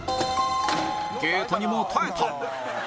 ゲートにも耐えた！